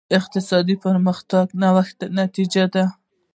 اقتصادي پرمختګ د نوښت نتیجه ده.